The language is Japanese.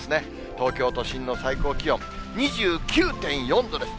東京都心の最高気温２９．４度です。